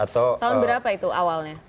tahun berapa itu awalnya